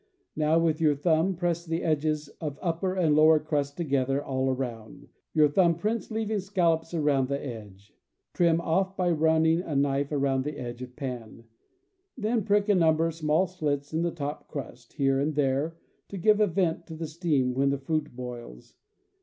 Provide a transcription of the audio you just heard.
Now, with your thumb, press the edges of upper and lower crust together all around, your thumb prints leaving scallops around the edge. Trim off by running a knife around edge of pan. Then prick a number of small slits in the top crust, here and there, to give a vent to the steam when the fruit boils.